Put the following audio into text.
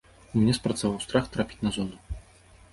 У мне спрацаваў страх трапіць на зону.